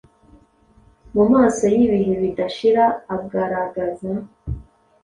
M’umaso Yibihe bidashira agaragaza